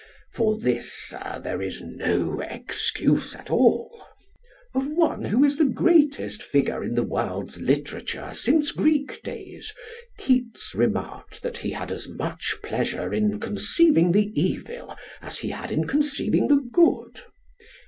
For this, Sir, there is no excuse at all. Of one who is the greatest figure in the world's literature since Greek days, Keats remarked that he had as much pleasure in conceiving the evil as he had in conceiving the good.